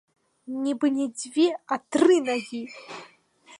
Нібы не дзве, а тры нагі.